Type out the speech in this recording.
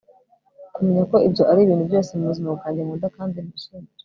kumenya ko ibyo ari ibintu byose mu buzima bwanjye nkunda kandi nishimira